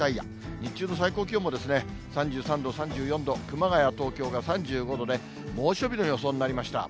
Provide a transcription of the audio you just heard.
日中の最高気温も３３度、３４度、熊谷、東京が３５度で、猛暑日の予想になりました。